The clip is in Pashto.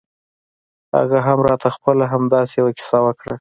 هغه هم راته خپله همداسې يوه کيسه وکړه.